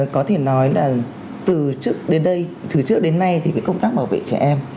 có thể nói là từ trước đến nay thì công tác bảo vệ trẻ em